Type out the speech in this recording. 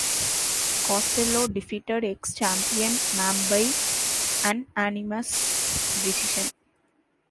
Costello defeated ex-champion Mamby unanimous decision.